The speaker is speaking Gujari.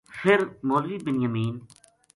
فر مولوی بنیامین